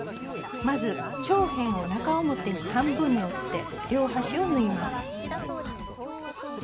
まず長辺を中表に半分に折って両端を縫います。